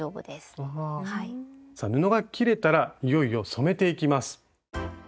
さあ布が切れたらいよいよ染めていきます。